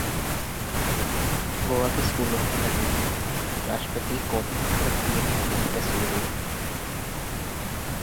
गोवा के स्कूलों में लगेंगी राष्ट्रपति कोविंद और पीएम मोदी की तस्वीरें